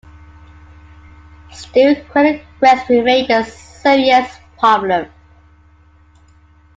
Still, credit risk remained a serious problem.